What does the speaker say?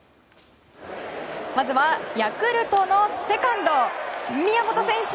まずはヤクルトのセカンド宮本選手。